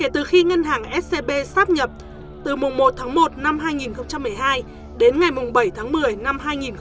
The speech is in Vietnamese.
từ khi ngân hàng scb sáp nhập từ mùng một tháng một năm hai nghìn một mươi hai đến ngày mùng bảy tháng một mươi năm hai nghìn hai mươi hai